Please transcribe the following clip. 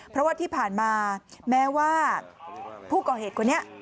เพราะว่าที่ผ่านมาแม้ว่าผู้ก่อเหตุคนนี้